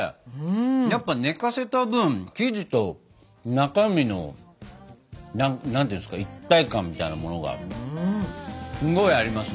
やっぱ寝かせた分生地と中身の一体感みたいなものがすごいありますね。